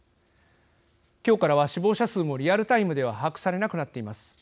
今日からは死亡者数もリアルタイムでは把握されなくなっています。